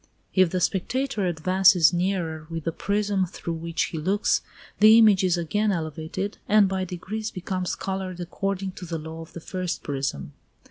If the spectator advances nearer with the prism through which he looks, the image is again elevated, and by degrees becomes coloured according to the law of the first prism.